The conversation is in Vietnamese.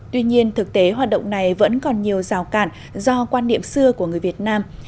tuy nhiên thực tế hoạt động này vẫn còn nhiều rào cản do quan niệm xưa của người việt nam